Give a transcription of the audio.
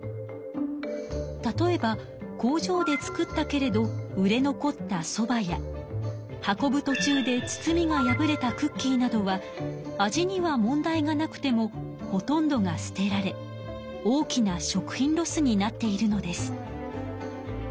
例えば工場で作ったけれど売れ残ったソバや運ぶとちゅうで包みが破れたクッキーなどは味には問題がなくてもほとんどが捨てられ大きな食品ロスになっているのです。